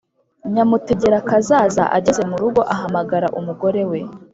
Nyamutegerakazaza ageze mu rugo ahamagara umugore we,